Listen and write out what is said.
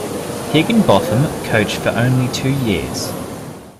Higginbotham coached for only two years.